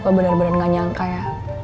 kok bener bener gak nyangka ya